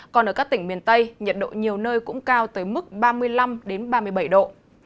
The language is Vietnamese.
còn ở các tỉnh miền tây nhiệt độ nhiều nơi cũng cao tới mức ba mươi năm ba mươi bảy độ